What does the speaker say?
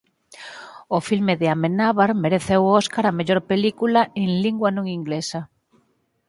O filme de Amenábar mereceu o oscar á mellor película en lingua non inglesa.